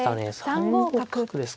３五角ですか。